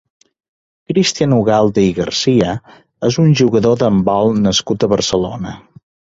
Cristian Ugalde i García és un jugador d'handbol nascut a Barcelona.